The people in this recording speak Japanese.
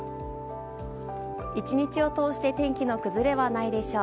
１日を通して天気の崩れはないでしょう。